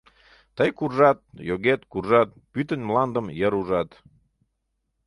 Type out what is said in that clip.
Тый куржат, йогет, куржат, Пӱтынь мландым йыр ужат…